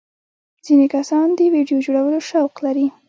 ځینې کسان د ویډیو جوړولو شوق لري.